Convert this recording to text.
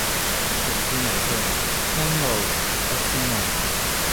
迪士尼綫：欣澳，迪士尼